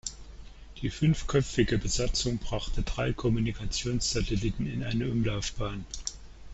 Die fünfköpfige Besatzung brachte drei Kommunikationssatelliten in eine Umlaufbahn.